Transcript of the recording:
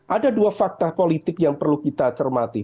ada dua fakta politik yang perlu kita cermati